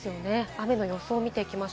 雨の予想を見ていきます。